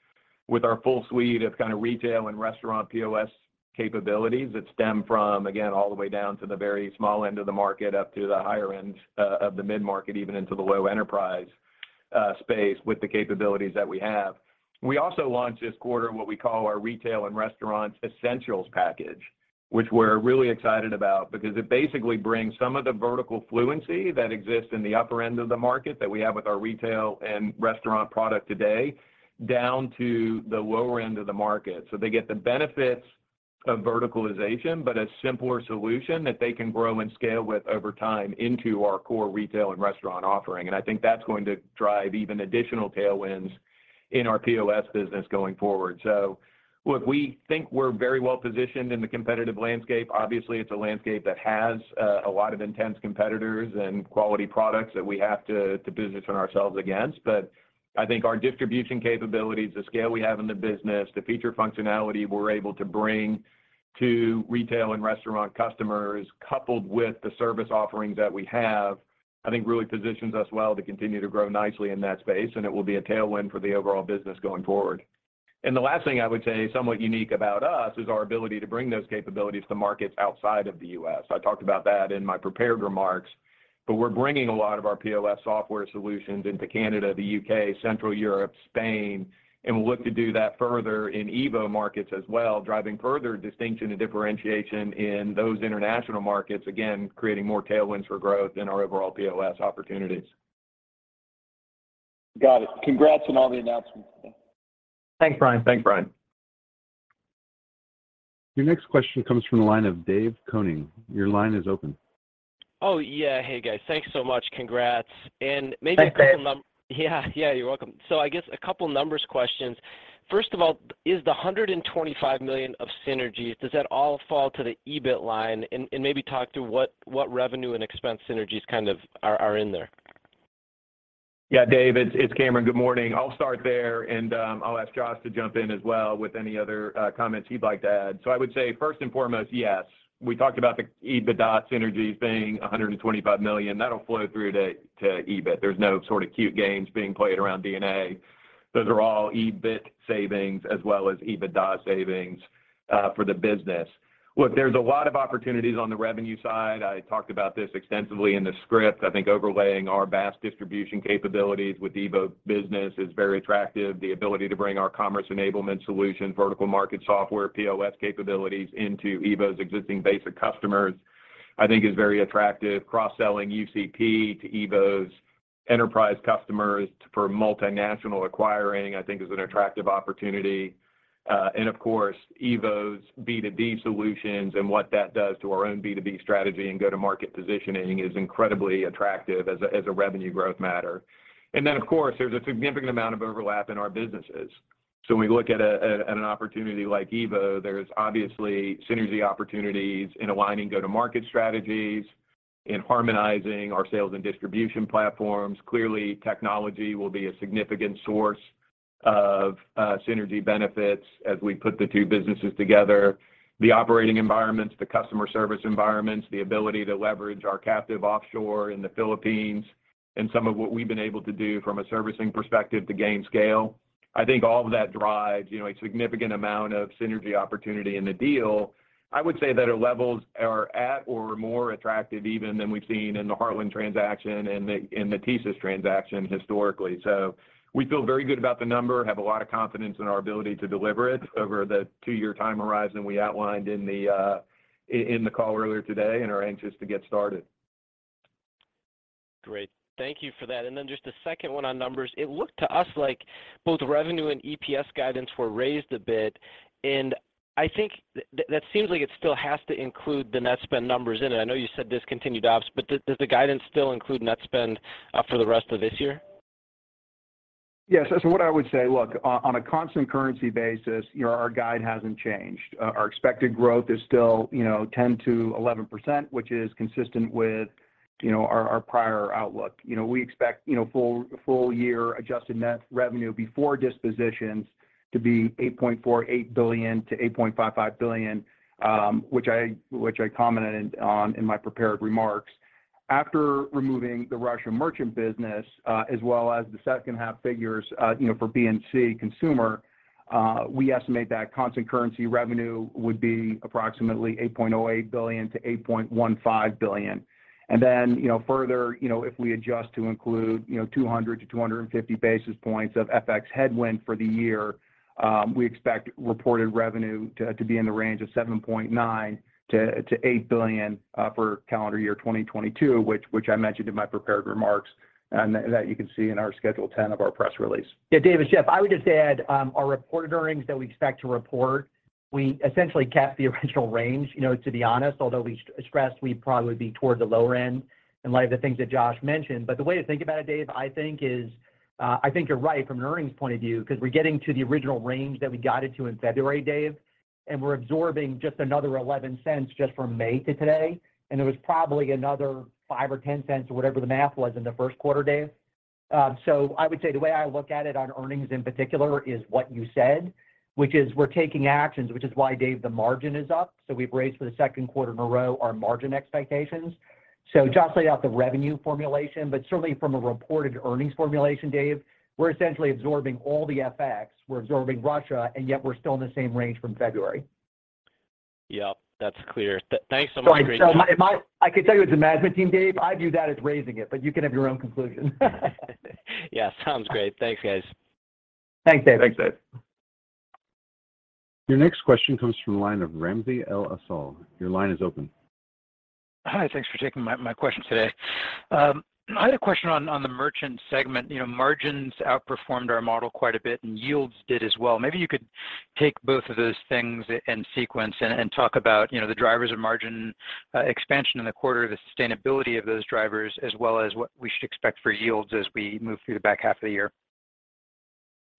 with our full suite of kinda retail and restaurant POS capabilities that stem from, again, all the way down to the very small end of the market up to the higher end of the mid-market, even into the low enterprise space with the capabilities that we have. We also launched this quarter what we call our Retail and Restaurant Essentials package, which we're really excited about because it basically brings some of the vertical fluency that exists in the upper end of the market that we have with our retail and restaurant product today down to the lower end of the market. They get the benefits of verticalization, but a simpler solution that they can grow and scale with over time into our core retail and restaurant offering. I think that's going to drive even additional tailwinds in our POS business going forward. Look, we think we're very well positioned in the competitive landscape. Obviously, it's a landscape that has a lot of intense competitors and quality products that we have to position ourselves against. I think our distribution capabilities, the scale we have in the business, the feature functionality we're able to bring to retail and restaurant customers, coupled with the service offerings that we have, I think really positions us well to continue to grow nicely in that space, and it will be a tailwind for the overall business going forward. The last thing I would say, somewhat unique about us, is our ability to bring those capabilities to markets outside of the U.S. I talked about that in my prepared remarks, but we're bringing a lot of our POS software solutions into Canada, the U.K., Central Europe, Spain, and we'll look to do that further in EVO markets as well, driving further distinction and differentiation in those international markets, again, creating more tailwinds for growth in our overall POS opportunities. Got it. Congrats on all the announcements today. Thanks, Bryan. Thanks, Brian. Your next question comes from the line of David Koning. Your line is open. Oh, yeah. Hey, guys. Thanks so much. Congrats. Maybe a couple- Thanks, David. Yeah. Yeah, you're welcome. I guess a couple numbers questions. First of all, is the $125 million of synergies, does that all fall to the EBIT line? And maybe talk through what revenue and expense synergies kind of are in there. Yeah, David, it's Cameron. Good morning. I'll start there. I'll ask Josh to jump in as well with any other comments he'd like to add. I would say first and foremost, yes, we talked about the EBITDA synergies being $125 million. That'll flow through to EBIT. There's no sort of cute games being played around D&A. Those are all EBIT savings as well as EBITDA savings for the business. Look, there's a lot of opportunities on the revenue side. I talked about this extensively in the script. I think overlaying our base distribution capabilities with EVO business is very attractive. The ability to bring our commerce enablement solution, vertical market software, POS capabilities into EVO's existing base of customers, I think is very attractive. Cross-selling UCP to EVO's enterprise customers for multinational acquiring, I think is an attractive opportunity. Of course, EVO's B2B solutions and what that does to our own B2B strategy and go-to-market positioning is incredibly attractive as a revenue growth matter. Of course, there's a significant amount of overlap in our businesses. When we look at an opportunity like EVO, there's obviously synergy opportunities in aligning go-to-market strategies, in harmonizing our sales and distribution platforms. Clearly, technology will be a significant source of synergy benefits as we put the two businesses together. The operating environments, the customer service environments, the ability to leverage our captive offshore in the Philippines and some of what we've been able to do from a servicing perspective to gain scale, I think all of that drives, you know, a significant amount of synergy opportunity in the deal. I would say that our levels are at or more attractive even than we've seen in the Heartland transaction and the TSYS transaction historically. We feel very good about the number, have a lot of confidence in our ability to deliver it over the two-year time horizon we outlined in the call earlier today and are anxious to get started. Great. Thank you for that. Just a second one on numbers. It looked to us like both revenue and EPS guidance were raised a bit, and I think that seems like it still has to include the Netspend numbers in it. I know you said discontinued ops, but does the guidance still include Netspend for the rest of this year? Yes. What I would say, look, on a constant currency basis, you know, our guide hasn't changed. Our expected growth is still, you know, 10%-11%, which is consistent with, you know, our prior outlook. You know, we expect, you know, full year adjusted net revenue before dispositions to be $8.48 billion-$8.55 billion, which I commented on in my prepared remarks. After removing the Russian merchant business, as well as the second half figures, you know, for Netspend consumer, we estimate that constant currency revenue would be approximately $8.08 billion-$8.15 billion. You know, further, you know, if we adjust to include, you know, 200-250 basis points of FX headwind for the year, we expect reported revenue to be in the range of $7.9 billion-$8 billion for calendar year 2022, which I mentioned in my prepared remarks, and that you can see in our Schedule 10 of our press release. Yeah, David, it's Jeff. I would just add, our reported earnings that we expect to report, we essentially kept the original range, you know, to be honest, although we stressed we'd probably be towards the lower end in light of the things that Josh mentioned. The way to think about it, David, I think you're right from an earnings point of view, 'cause we're getting to the original range that we guided to in February, David. We're absorbing just another $0.11 just from May to today. It was probably another $0.05 or $0.10 or whatever the math was in the first quarter, David. I would say the way I look at it on earnings in particular is what you said, which is we're taking actions, which is why, David, the margin is up. We've raised for the second quarter in a row our margin expectations. Josh laid out the revenue formulation, but certainly from a reported earnings formulation, David, we're essentially absorbing all the FX, we're absorbing Russia, and yet we're still in the same range from February. Yep, that's clear. Thanks so much. Appreciate it. Sorry. I can tell you as the management team, David, I view that as raising it, but you can have your own conclusion. Yeah. Sounds great. Thanks, guys. Thanks, David. Thanks, David. Your next question comes from the line of Ramsey El-Assal. Your line is open. Hi. Thanks for taking my question today. I had a question on the merchant segment. You know, margins outperformed our model quite a bit and yields did as well. Maybe you could take both of those things in sequence and talk about, you know, the drivers of margin expansion in the quarter, the sustainability of those drivers, as well as what we should expect for yields as we move through the back half of the year.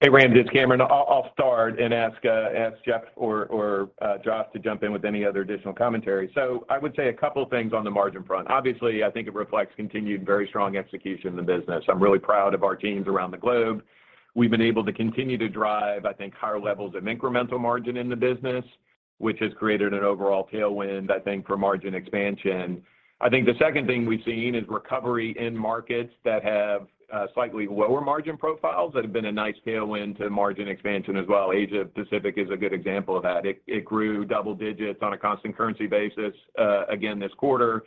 Hey, Ramsey, it's Cameron. I'll start and ask Jeff or Josh to jump in with any other additional commentary. I would say a couple things on the margin front. Obviously, I think it reflects continued very strong execution in the business. I'm really proud of our teams around the globe. We've been able to continue to drive, I think, higher levels of incremental margin in the business, which has created an overall tailwind, I think, for margin expansion. I think the second thing we've seen is recovery in markets that have slightly lower margin profiles. That have been a nice tailwind to margin expansion as well. Asia Pacific is a good example of that. It grew double digits on a constant currency basis again this quarter.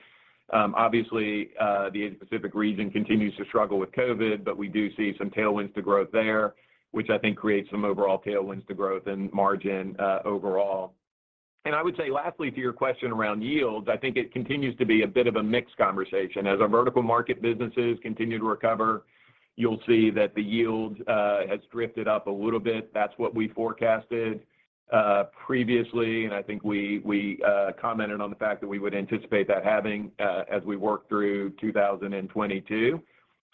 Obviously, the Asia Pacific region continues to struggle with COVID, but we do see some tailwinds to growth there, which I think creates some overall tailwinds to growth and margin overall. I would say lastly to your question around yields, I think it continues to be a bit of a mixed conversation. As our vertical market businesses continue to recover, you'll see that the yield has drifted up a little bit. That's what we forecasted previously, and I think we commented on the fact that we would anticipate that having as we work through 2022.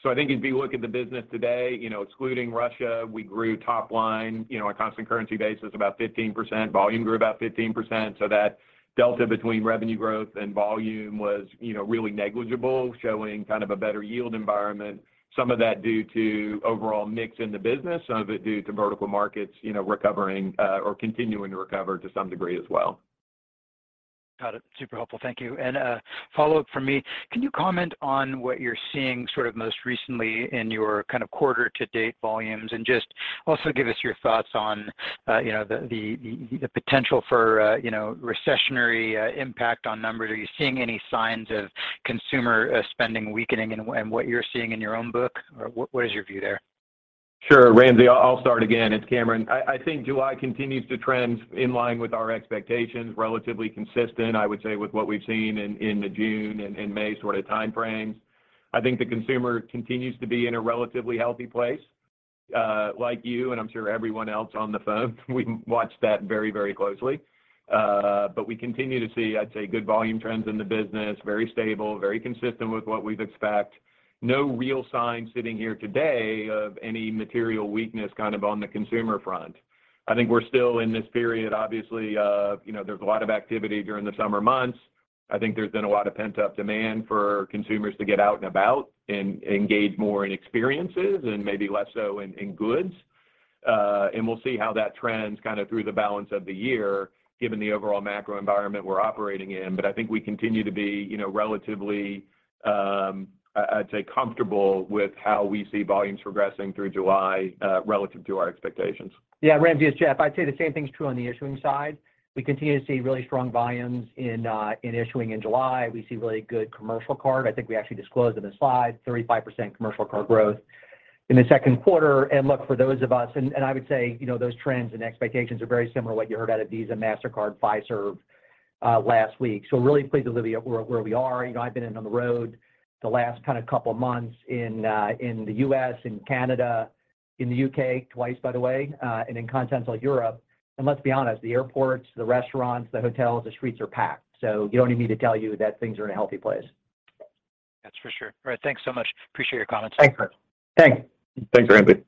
I think if you look at the business today, you know, excluding Russia, we grew top line, you know, on a constant currency basis about 15%, volume grew about 15%. that delta between revenue growth and volume was, you know, really negligible, showing kind of a better yield environment. Some of that due to overall mix in the business, some of it due to vertical markets, you know, recovering, or continuing to recover to some degree as well. Got it. Super helpful. Thank you. Follow-up from me, can you comment on what you're seeing sort of most recently in your kind of quarter to date volumes? Just also give us your thoughts on, you know, the potential for, you know, recessionary impact on numbers. Are you seeing any signs of consumer spending weakening in in what you're seeing in your own book? Or what is your view there? Sure, Ramsey, I'll start again. It's Cameron. I think July continues to trend in line with our expectations, relatively consistent, I would say, with what we've seen in the June and May sort of timeframes. I think the consumer continues to be in a relatively healthy place. Like you, and I'm sure everyone else on the phone, we watch that very, very closely. But we continue to see, I'd say, good volume trends in the business, very stable, very consistent with what we'd expect. No real sign sitting here today of any material weakness kind of on the consumer front. I think we're still in this period, obviously, of, you know, there's a lot of activity during the summer months. I think there's been a lot of pent-up demand for consumers to get out and about and engage more in experiences and maybe less so in goods. We'll see how that trends kind of through the balance of the year, given the overall macro environment we're operating in. I think we continue to be, you know, relatively, I'd say comfortable with how we see volumes progressing through July, relative to our expectations. Yeah, Ramsey, it's Jeff. I'd say the same thing's true on the issuing side. We continue to see really strong volumes in issuing in July. We see really good commercial card. I think we actually disclosed in the slide 35% commercial card growth in the second quarter. I would say, you know, those trends and expectations are very similar to what you heard out of Visa, Mastercard, Fiserv last week. Really pleased with where we are. You know, I've been in on the road the last kind of couple months in the U.S., in Canada, in the U.K. twice, by the way, and in continental Europe. Let's be honest, the airports, the restaurants, the hotels, the streets are packed. You don't need me to tell you that things are in a healthy place. That's for sure. All right. Thanks so much. Appreciate your comments. Thanks. Thanks. Thanks, Ramsey.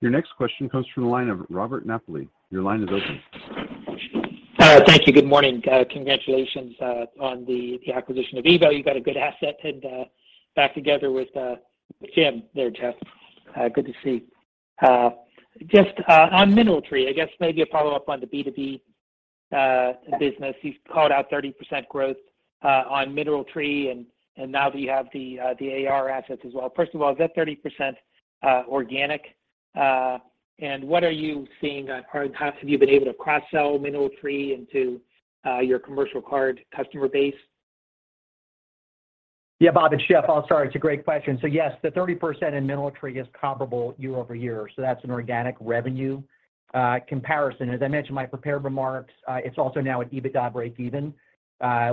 Your next question comes from the line of Robert Napoli. Your line is open. Thank you. Good morning. Congratulations on the acquisition of EVO. You got a good asset and back together with Jim there, Jeff. Good to see. Just on MineralTree, I guess maybe a follow-up on the B2B business. You've called out 30% growth on MineralTree and now that you have the AR assets as well. First of all, is that 30% organic? Have you been able to cross-sell MineralTree into your commercial card customer base? Yeah, Bob, it's Jeff. I'll start. It's a great question. Yes, the 30% in MineralTree is comparable year-over-year. That's an organic revenue comparison. As I mentioned in my prepared remarks, it's also now at EBITDA breakeven,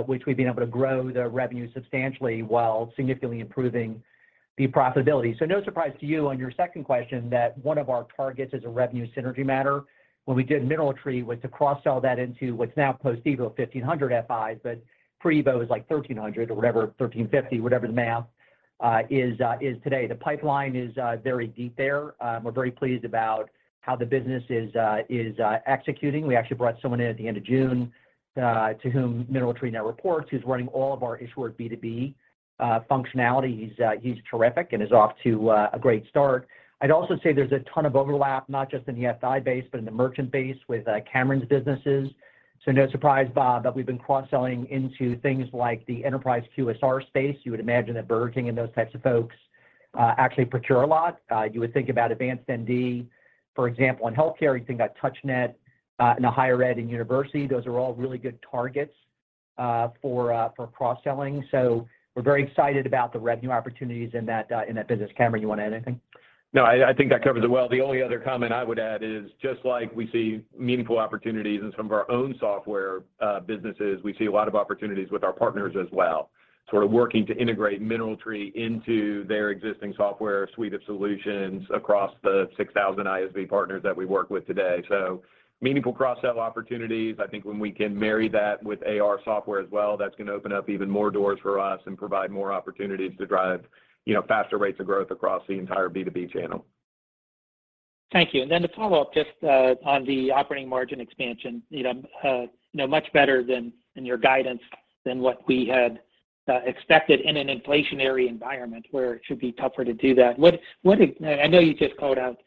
which we've been able to grow the revenue substantially while significantly improving the profitability. No surprise to you on your second question that one of our targets as a revenue synergy matter when we did MineralTree was to cross-sell that into what's now post-EVO 1,500 FIs, but pre-EVO is like 1,300 or whatever, 1,350, whatever the math is today. The pipeline is very deep there. We're very pleased about how the business is executing. We actually brought someone in at the end of June to whom MineralTree now reports, who's running all of our issuer B2B functionality. He's terrific and is off to a great start. I'd also say there's a ton of overlap, not just in the FI base, but in the merchant base with Cameron's businesses. No surprise, Bob, that we've been cross-selling into things like the enterprise QSR space. You would imagine that Burger King and those types of folks actually procure a lot. You would think about AdvancedMD, for example, in healthcare. You think about TouchNet in higher ed and university. Those are all really good targets for cross-selling. We're very excited about the revenue opportunities in that business. Cameron, you want to add anything? No, I think that covers it well. The only other comment I would add is just like we see meaningful opportunities in some of our own software, businesses, we see a lot of opportunities with our partners as well. Sort of working to integrate MineralTree into their existing software suite of solutions across the 6,000 ISV partners that we work with today. Meaningful cross-sell opportunities. I think when we can marry that with AR software as well, that's going to open up even more doors for us and provide more opportunities to drive, you know, faster rates of growth across the entire B2B channel. Thank you. To follow up just on the operating margin expansion, you know, much better than your guidance than what we had expected in an inflationary environment where it should be tougher to do that. I know you just called out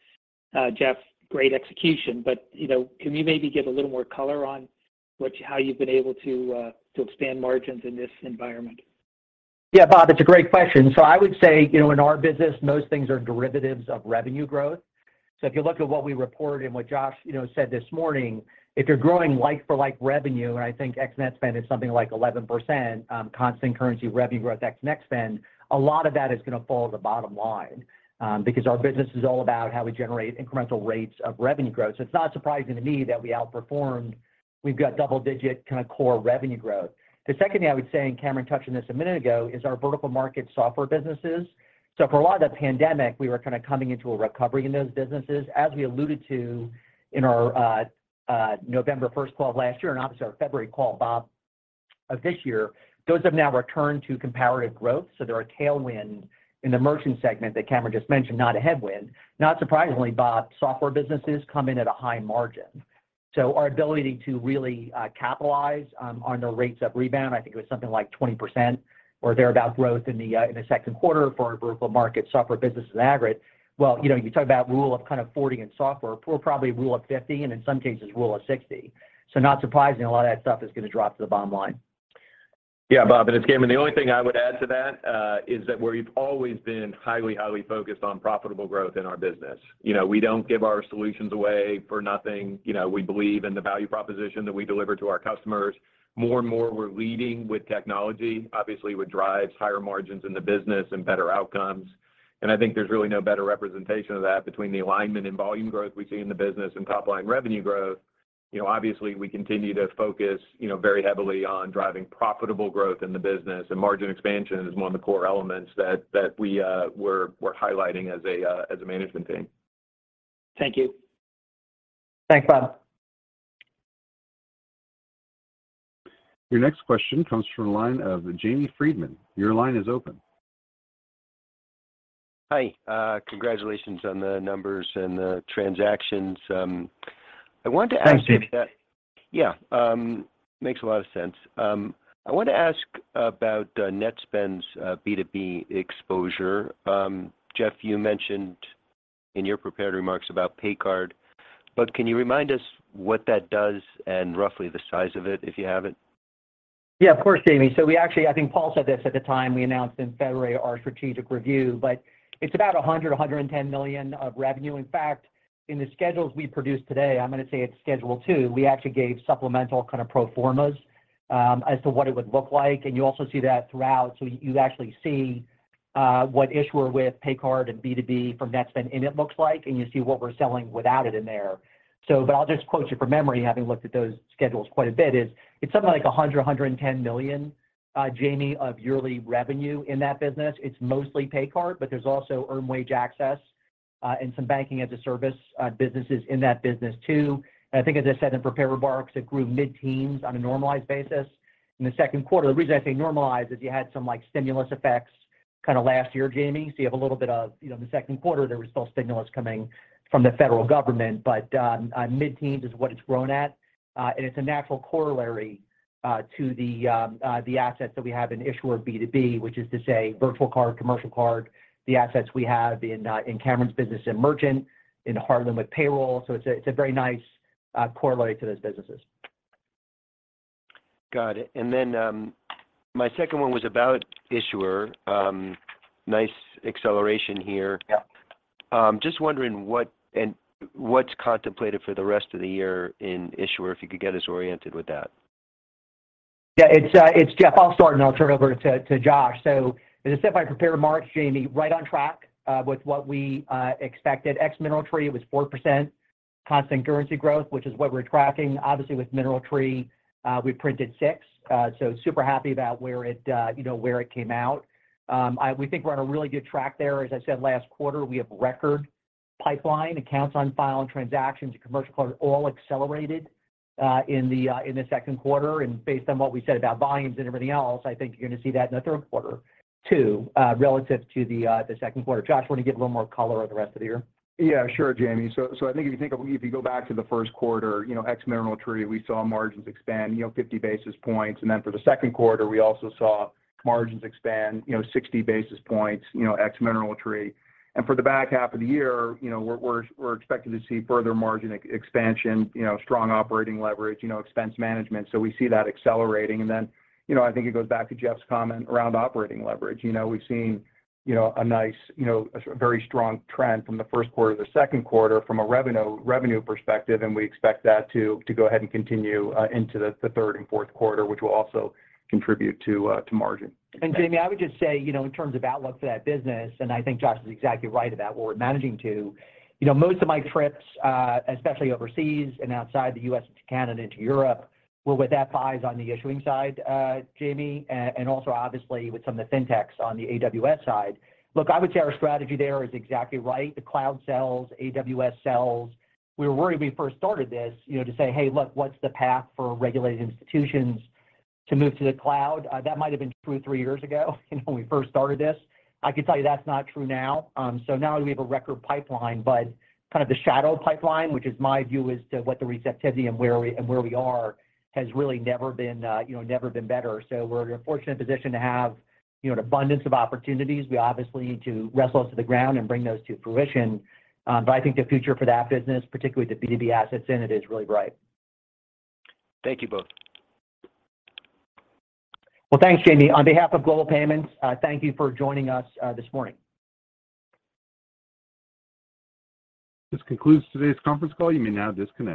Jeff, great execution, but you know, can you maybe give a little more color on how you've been able to expand margins in this environment? Yeah, Bob, it's a great question. I would say, you know, in our business, most things are derivatives of revenue growth. If you look at what we reported and what Josh, you know, said this morning, if you're growing like-for-like revenue, and I think ex-Netspend is something like 11% constant currency revenue growth, ex-Netspend, a lot of that is gonna fall on the bottom line, because our business is all about how we generate incremental rates of revenue growth. It's not surprising to me that we outperformed. We've got double-digit kinda core revenue growth. The second thing I would say, and Cameron touched on this a minute ago, is our vertical market software businesses. For a lot of the pandemic, we were kinda coming into a recovery in those businesses. As we alluded to in our November first call last year, and obviously our February call, Bob, of this year, those have now returned to comparative growth. They're a tailwind in the merchant segment that Cameron just mentioned, not a headwind. Not surprisingly, Bob, software businesses come in at a high margin. Our ability to really capitalize on the rates of rebound, I think it was something like 20% or thereabout growth in the second quarter for our vertical market software businesses average. Well, you know, you talk about rule of kind of 40 in software. We're probably rule of 50, and in some cases, rule of 60. Not surprising, a lot of that stuff is gonna drop to the bottom line. Yeah, Bob, and it's Cameron. The only thing I would add to that is that we've always been highly focused on profitable growth in our business. You know, we don't give our solutions away for nothing. You know, we believe in the value proposition that we deliver to our customers. More and more, we're leading with technology, obviously, which drives higher margins in the business and better outcomes. I think there's really no better representation of that between the alignment and volume growth we see in the business and top line revenue growth. You know, obviously, we continue to focus, you know, very heavily on driving profitable growth in the business, and margin expansion is one of the core elements that we we're highlighting as a management team. Thank you. Thanks, Bob. Your next question comes from the line of James Faucette. Your line is open. Hi. Congratulations on the numbers and the transactions. I wanted to ask. Thanks, James. Yeah. Makes a lot of sense. I wanted to ask about Netspend's B2B exposure. Jeff, you mentioned in your prepared remarks about Paycard, but can you remind us what that does and roughly the size of it, if you have it? Yeah, of course, James. We actually, I think Paul said this at the time we announced in February our strategic review, but it's about $110 million of revenue. In fact, in the schedules we produced today, I'm gonna say it's schedule two, we actually gave supplemental kinda pro formas as to what it would look like. You also see that throughout. You actually see what issuer with pay card and B2B from Netspend in it looks like, and you see what we're selling without it in there. I'll just quote you from memory, having looked at those schedules quite a bit, it's something like $110 million, James, of yearly revenue in that business. It's mostly pay card, but there's also earned wage access, and some banking as a service, businesses in that business too. I think as I said in prepared remarks, it grew mid-teens on a normalized basis in the second quarter. The reason I say normalized is you had some like stimulus effects kinda last year, Jamie. You have a little bit of, you know, in the second quarter, there was still stimulus coming from the federal government. Mid-teens is what it's grown at. It's a natural corollary to the assets that we have in issuer B2B, which is to say virtual card, commercial card, the assets we have in Cameron's business in merchant, in Heartland with payroll. It's a very nice corollary to those businesses. Got it. My second one was about issuer. Nice acceleration here. Yeah. Just wondering what's contemplated for the rest of the year in issuer, if you could get us oriented with that. Yeah, it's Jeff. I'll start, and I'll turn it over to Josh. As I said in my prepared remarks, Jamie, right on track with what we expected. Ex MineralTree, it was 4% constant currency growth, which is what we're tracking. Obviously with MineralTree, we printed 6%. So super happy about where it you know where it came out. We think we're on a really good track there. As I said last quarter, we have record pipeline, accounts on file, and transactions and commercial cards all accelerated in the second quarter. Based on what we said about volumes and everything else, I think you're gonna see that in the third quarter too, relative to the second quarter. Josh, why don't you give a little more color on the rest of the year? Yeah, sure, James. I think if you go back to the first quarter, you know, ex MineralTree, we saw margins expand, you know, 50 basis points. Then for the second quarter, we also saw margins expand, you know, 60 basis points, you know, ex MineralTree. For the back half of the year, you know, we're expected to see further margin expansion, you know, strong operating leverage, you know, expense management. We see that accelerating. I think it goes back to Jeff's comment around operating leverage. You know, we've seen, you know, a nice, you know, a very strong trend from the first quarter to the second quarter from a revenue perspective, and we expect that to go ahead and continue into the third and fourth quarter, which will also contribute to margin. James, I would just say, you know, in terms of outlook for that business, and I think Josh is exactly right about what we're managing to, you know, most of my trips, especially overseas and outside the U.S. into Canada, into Europe, were with FIs on the issuing side, Jamie, and also obviously with some of the Fintechs on the AWS side. Look, I would say our strategy there is exactly right. The cloud sells, AWS sells. We were worried when we first started this, you know, to say, "Hey, look, what's the path for regulated institutions to move to the cloud?" That might have been true three years ago, you know, when we first started this. I can tell you that's not true now. Now we have a record pipeline, but kind of the shadow pipeline, which is my view as to what the receptivity and where we are, has really never been, you know, never been better. We're in a fortunate position to have, you know, an abundance of opportunities. We obviously need to wrestle those to the ground and bring those to fruition. I think the future for that business, particularly the B2B assets in it, is really bright. Thank you both. Well, thanks, James. On behalf of Global Payments, thank you for joining us this morning. This concludes today's conference call. You may now disconnect.